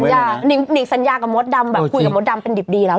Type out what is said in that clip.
ยานิ่งสัญญากับมดดำแบบคุยกับมดดำเป็นดิบดีแล้ว